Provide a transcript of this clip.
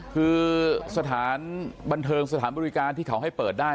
คือสถานบันเทิงสถานบริการที่เขาให้เปิดได้